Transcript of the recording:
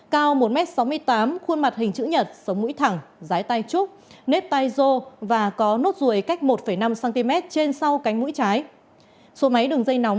cao một m sáu mươi tám khuôn mặt hình chữ nhật sống mũi thẳng dái tay trúc nếp tay rô và có nốt ruồi cách một năm cm trên sau cánh mũi trái